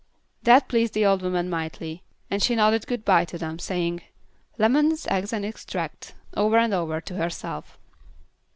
That pleased the old woman mightily, and she nodded good bye to them, saying, "Lemons, eggs and extract," over and over to herself.